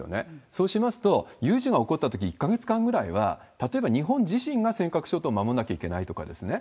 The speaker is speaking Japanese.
そうしますと、有事が起こったとき１か月間ぐらいは、例えば日本自身は尖閣諸島を守んなきゃいけないわけですよね。